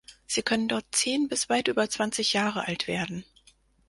Sie können dort zehn bis weit über zwanzig Jahre alt werden.